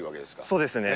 そうですね。